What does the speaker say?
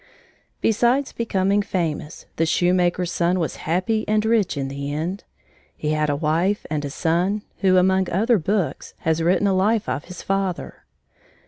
Besides becoming famous, the shoemaker's son was happy and rich in the end. He had a wife and a son who, among other books, has written a life of his father.